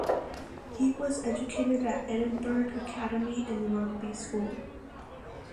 He was educated at Edinburgh Academy and Rugby School.